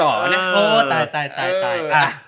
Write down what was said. โอ้ตายตายตาย